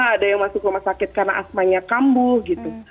ada yang masuk rumah sakit karena asmanya kambuh gitu